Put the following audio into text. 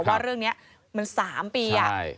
ว่าเรื่องนี้มัน๓ปี